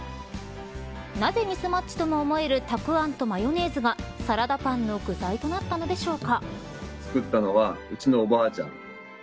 なぜ、ミスマッチとも思えるたくあんとマヨネーズがサラダパンの具材となったのでしょうか。